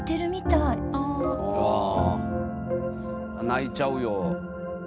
泣いちゃうよ。